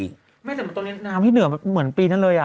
ไม่แต่ตอนนี้น้ำที่เหนือเหมือนปีนั้นเลย